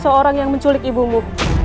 seorang yang menculik ibumu